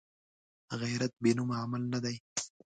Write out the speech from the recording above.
غیرت بېنومه عمل نه دی